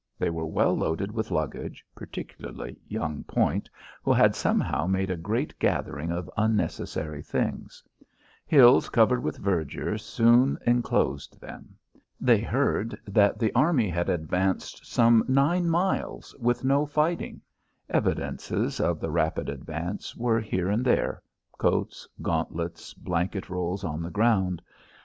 They were well loaded with luggage, particularly young Point, who had somehow made a great gathering of unnecessary things. Hills covered with verdure soon enclosed them. They heard that the army had advanced some nine miles with no fighting. Evidences of the rapid advance were here and there coats, gauntlets, blanket rolls on the ground.